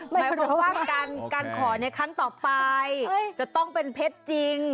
หมายความว่าการขอในครั้งต่อไปจะต้องเป็นเพชรจริง